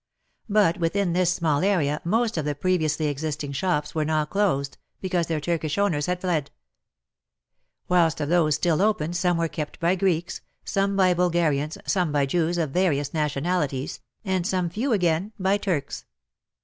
But within this small area most of the previously existing shops were now closed, because their Turkish owners had fled ; whilst of those still open, some were kept by Greeks, some by Bul garians, some by Jews of various nationalities, and some few again by Turks.